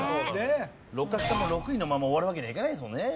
六角さんも６位のまま終わるわけにはいかないですもんね。